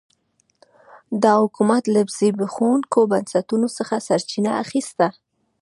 دا حکومت له زبېښونکو بنسټونو څخه سرچینه اخیسته.